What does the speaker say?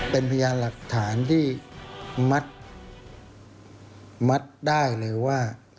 เป็นพยานหลักฐานที่มัดได้เลยว่า